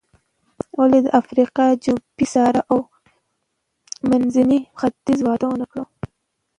ولې د افریقا جنوبي صحرا او منځني ختیځ وده ونه کړه.